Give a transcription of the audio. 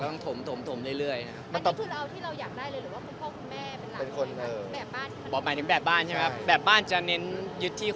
ต้องถมเรื่อย